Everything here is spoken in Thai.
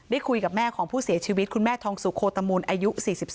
คุยกับแม่ของผู้เสียชีวิตคุณแม่ทองสุโคตมูลอายุ๔๒